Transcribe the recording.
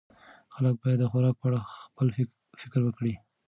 خلک باید د خوراک په اړه خپل فکر وکړي.